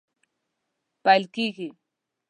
پیل کیږي